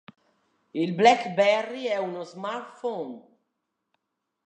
Il BlackBerry è uno smartphone.